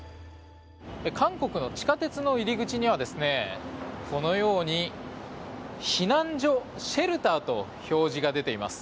韓国の地下鉄の入り口にはこのように避難所、シェルターと表示が出ています。